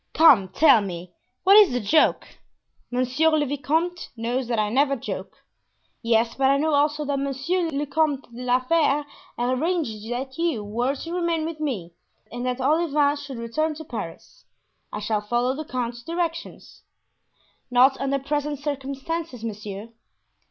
"Come, tell me, what is the joke?" "Monsieur le vicomte knows that I never joke." "Yes, but I know also that Monsieur le Comte de la Fere arranged that you were to remain with me and that Olivain should return to Paris. I shall follow the count's directions." "Not under present circumstances, monsieur."